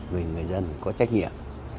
mình người dân có trách nhiệm